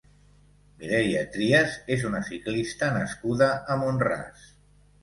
Mireia Trias és una ciclista nascuda a Mont-ras.